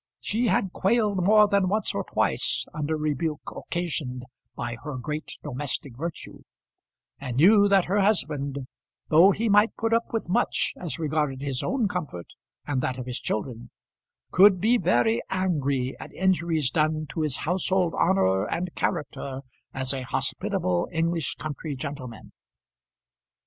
She had quailed more than once or twice under rebuke occasioned by her great domestic virtue, and knew that her husband, though he might put up with much as regarded his own comfort, and that of his children, could be very angry at injuries done to his household honour and character as a hospitable English country gentleman.